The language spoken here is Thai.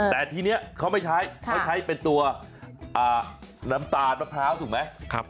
แต่ทีนี้เขาไม่ใช้เขาใช้เป็นตัวน้ำตาลมะพร้าวถูกไหม